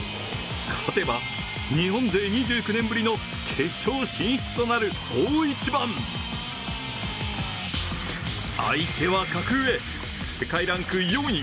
勝てば日本勢２９年ぶりの決勝進出となる大一番、相手は格上世界ランク４位